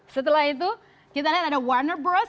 setelah itu kita lihat ada warner bross